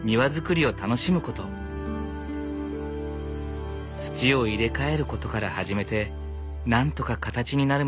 土を入れ替えることから始めてなんとか形になるまで６年かかった。